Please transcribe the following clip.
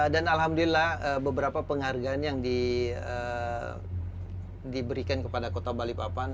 dan alhamdulillah beberapa penghargaan yang diberikan kepada kota balikpapan